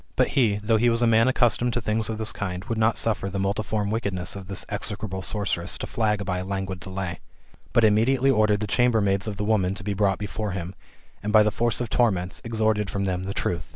But he, though he was a man accustomed to things of this kind, would not suffer the multiform wickedness of this execrable sor«:eress to flag by a languid delay ; but immediately ordered the chambermaids of the woman to be brought before him, and, by the force of torments, extorted from them the truth.